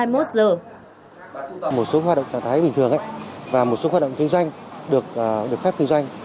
một số hoạt động trạng thái bình thường và một số hoạt động kinh doanh được phép kinh doanh